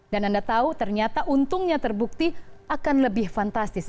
dan anda tahu ternyata untungnya terbukti akan lebih fantastis